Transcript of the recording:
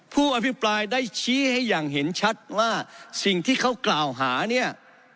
ผู้อภิปรายได้ชี้ให้อย่างเห็นชัดว่าสิ่งที่เขากล่าวหาเนี่ย